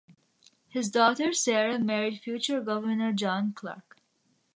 His daughter, Sarah, married future Governor John Clark.